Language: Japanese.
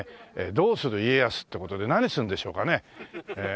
『どうする家康』という事で何するんでしょうかね？